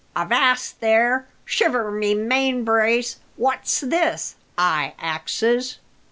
Avast there! Shiver my main brace, what's this? I axes."